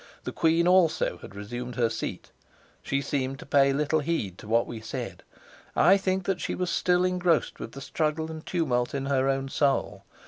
The queen also had resumed her seat; she seemed to pay little heed to what we said. I think that she was still engrossed with the struggle and tumult in her own soul.